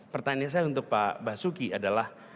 pertanyaan saya untuk pak basuki adalah